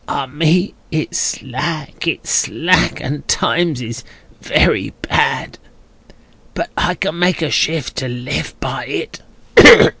—Ah, me! It's slack, it's slack, and times is very bad!—but I can make a shift to live by it."